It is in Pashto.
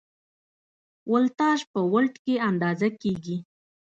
ولتاژ په ولټ کې اندازه کېږي.